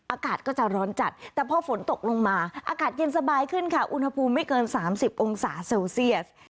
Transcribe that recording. อากาศก็จะร้อนจัดแต่พอฝนตกลงมาอากาศเย็นสบายขึ้นค่ะอุณหภูมิไม่เกิน๓๐องศาเซลเซียส